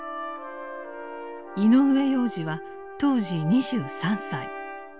井上洋治は当時２３歳。